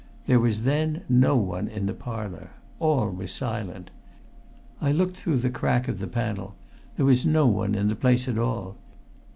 There was then no one in the parlour. All was silent. I looked through the crack of the panel. There was no one in the place at all.